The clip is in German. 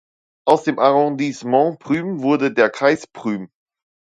Aus dem Arrondissement Prüm wurde der Kreis Prüm.